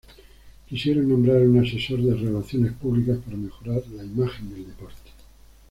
Quisieron nombrar un asesor de relaciones públicas para mejorar la imagen del deporte.